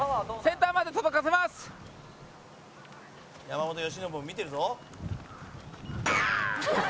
山崎：山本由伸も見てるぞ。